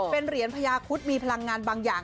เป็นเหรียญพญาคุดมีพลังงานบางอย่าง